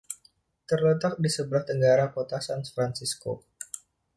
Terletak di sebelah tenggara Kota San Francisco.